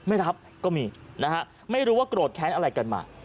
ไม่รับก็มีนะฮะไม่รู้ว่าโกรธแค้นอะไรกันมา